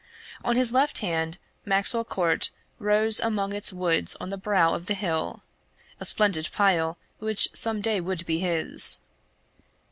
On his left hand Maxwell Court rose among its woods on the brow of the hill a splendid pile which some day would be his.